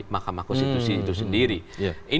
makamah konstitusi itu sendiri